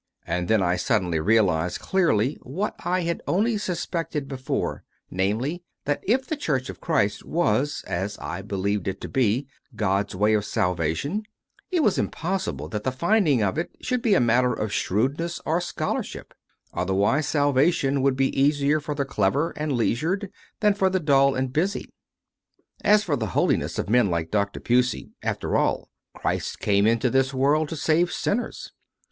And then I suddenly realized clearly what I had only suspected before; namely, that if the Church of Christ was, as I believed it to be, God s way of salvation, it was impossible that the finding of it should be a matter of shrewdness or scholarship; otherwise salvation would be easier for the clever and leisured than for the dull and busy. As for the holiness of men like Dr. Pusey after all, "Christ came into this world to save sin 102 CONFESSIONS OF A CONVERT ners."